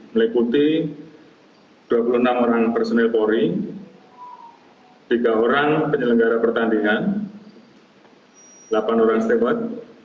meliputi dua puluh enam orang personil polri tiga orang penyelenggara pertandingan delapan orang steward